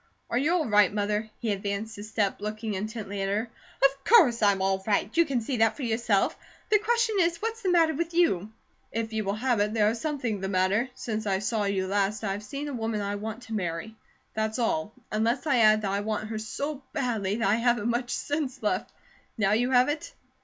"Are you all right, Mother?" He advanced a step, looking intently at her. "Of course I'm all right! You can see that for yourself. The question is, what's the matter with you?" "If you will have it, there is something the matter. Since I saw you last I have seen a woman I want to marry, that's all; unless I add that I want her so badly that I haven't much sense left. Now you have it!"